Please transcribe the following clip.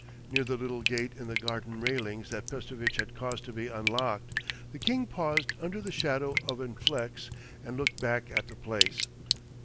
Near the little gate in the garden railings that Pestovitch had caused to be unlocked, the king paused under the shadow of an ilex and looked back at the place.